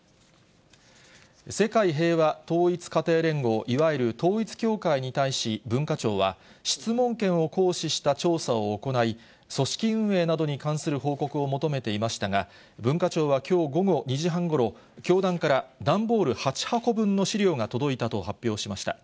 世界平和統一家庭連合、いわゆる統一教会に対し、文化庁は、質問権を行使した調査を行い、組織運営などに関する報告を求めていましたが、文化庁はきょう午後２時半ごろ、教団から段ボール８箱分の資料が届いたと発表しました。